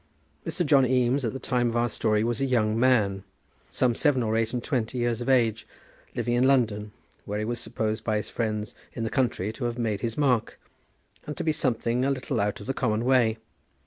Mr. John Eames at the time of our story was a young man, some seven or eight and twenty years of age, living in London, where he was supposed by his friends in the country to have made his mark, and to be something a little out of the common way.